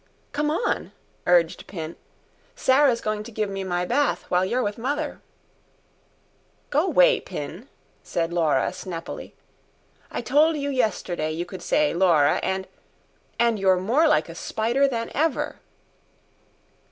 "Come on," urged Pin. "Sarah's going to give me my bath while you're with mother." "Go away, Pin," said Laura snappily. "I told you yesterday you could say Laura, and ... and you're more like a spider than ever."